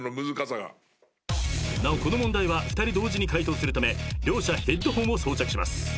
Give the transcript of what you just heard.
［なおこの問題は２人同時に解答するため両者ヘッドホンを装着します］